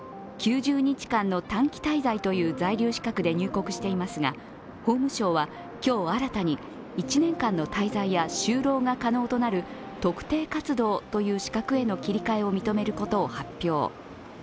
９０日間の短期滞在という在留資格で入国していますが、法務省は今日新たに、１年間の滞在や就労が可能となる特定活動という資格への切り替えを認めることを発表。